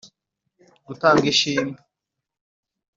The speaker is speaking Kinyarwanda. Gutanga Ishimwe